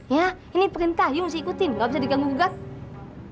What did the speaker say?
ya ini perintah kayu mesti ikutin nggak bisa diganggu gugat